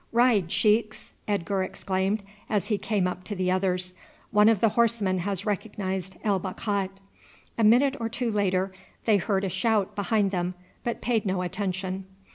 "Ride, sheiks!" Edgar exclaimed as he came up to the others; "one of the horsemen has recognized El Bakhat." A minute or two later they heard a shout behind them, but paid no attention.